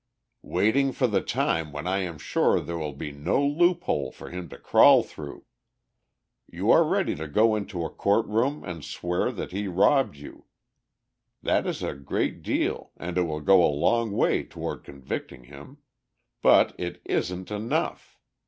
"Waiting for the time when I am sure there will be no loophole for him to crawl through! You are ready to go into a court room and swear that he robbed you; that is a great deal and it will go a long way toward convicting him. But it isn't enough.